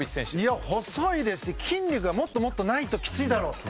いや細いですし筋肉がもっともっとないときついだろって。